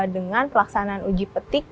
dengan pelaksanaan uji petik